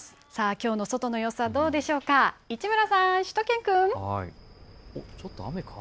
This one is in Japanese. きょうの外の様子はどうでしょうか、市村さん、しゅと犬くん。